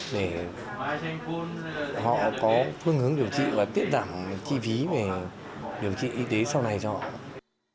để họ có phương hướng điều trị và tiết giảm chi phí về điều trị y tế sau này cho họ